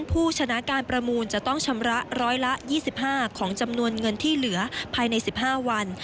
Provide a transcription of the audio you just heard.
ผู้ชนะการประมูลจะต้องชำระร้อยละ๒๕ของจำนวนเงินที่เหลือภายใน๑๕วัน